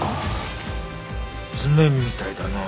図面みたいだな。